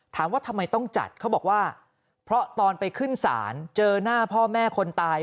ถามว่าทำไมต้องจัดเขาบอกว่าเพราะตอนไปขึ้นศาลเจอหน้าพ่อแม่คนตาย